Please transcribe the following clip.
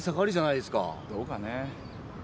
どうかねえ。